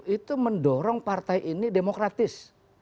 itu mendorong partai ini demokratis